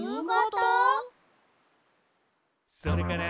「それから」